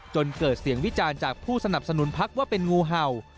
จนเกิดเสียงวิจารณ์จากผู้สนับสนุนพักว่าเป็นงูเห่า